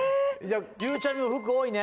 ゆうちゃみも服多いね。